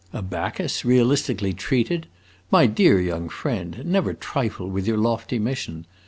"A Bacchus, realistically treated! My dear young friend, never trifle with your lofty mission.